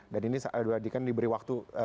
dan ini diberi waktu